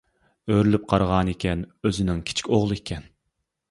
ئۆرۈلۈپ قارىغانىكەن، ئۆزىنىڭ كىچىك ئوغلى ئىكەن.